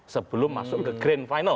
sebelum masuk ke grand final